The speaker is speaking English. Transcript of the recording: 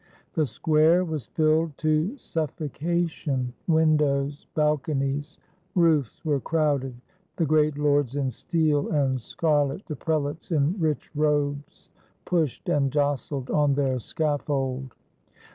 The square was filled to suffocation, windows, balco nies, roofs, were crowded, the great lords in steel and scarlet, the prelates in rich robes, pushed and jostled on their scaffold.